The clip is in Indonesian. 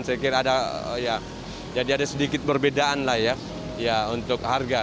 saya kira ada ya jadi ada sedikit perbedaan lah ya untuk harga